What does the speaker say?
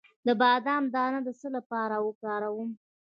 د بادام دانه د څه لپاره وکاروم؟